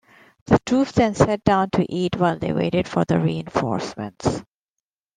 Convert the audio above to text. The troops then sat down to eat while they waited for the reinforcements.